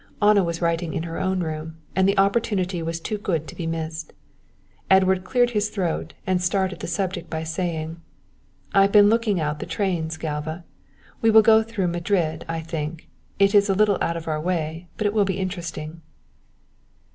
Anna was writing in her own room, and the opportunity was too good to be missed. Edward cleared his throat, and started the subject by saying "I have been looking out the trains, Galva. We will go through to Madrid, I think. It is a little out of our way, but it will be interesting."